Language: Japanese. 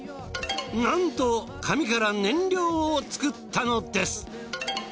なんと紙から燃料を作ったのです。